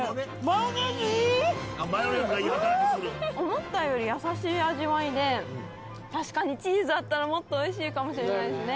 思ったより優しい味わいで確かにチーズあったらもっと美味しいかもしれないですね。